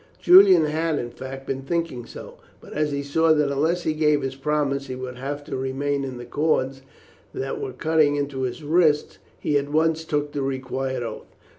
Julian had, in fact, been thinking so, but as he saw that unless he gave his promise he would have to remain in the cords that were cutting into his wrists, he at once took the required oath.